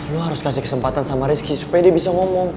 lo harus kasih kesempatan sama rizky supaya dia bisa ngomong